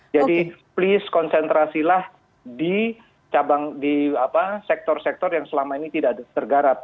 jadi please konsentrasilah di sektor sektor yang selama ini tidak tergantung